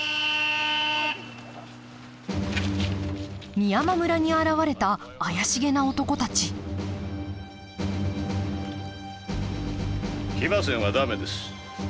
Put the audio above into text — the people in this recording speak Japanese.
美山村に現れた怪しげな男たち騎馬戦は駄目です。